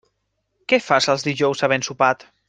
Què fas els dijous havent sopat?